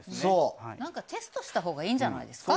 何かテストしたほうがいいんじゃないですか？